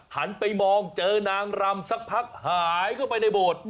หันไปมองเจอนางรำสักพักหายเข้าไปในโบสถ์